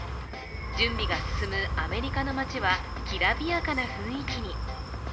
準備が進むアメリカの街はきらびやかな雰囲気に。